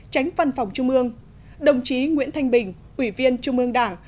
tránh văn phòng trung ương đồng chí nguyễn thanh bình ủy viên trung ương đảng